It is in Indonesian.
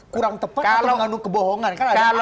kurang tepat atau mengandung kebohongan